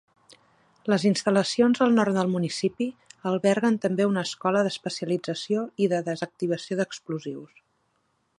Les instal·lacions, al nord del municipi, alberguen també una escola d'especialització i de desactivació d'explosius.